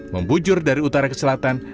membujur dari utara ke selatan